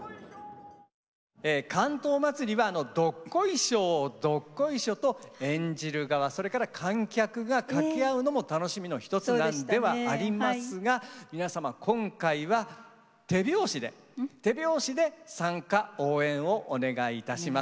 竿燈まつりは「どっこいしょーどっこいしょ」と演じる側それから観客が掛け合うのも楽しみの一つなんではありますが皆様今回は手拍子で手拍子で参加応援をお願いいたします。